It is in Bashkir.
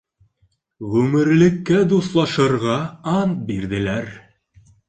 Ғүмерлеккә дуҫлашырға ант бирҙеләр.